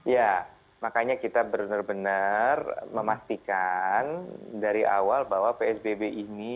ya makanya kita benar benar memastikan dari awal bahwa psbb ini